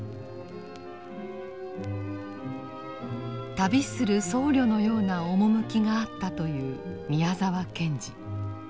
旅する僧侶のような趣があったという宮沢賢治。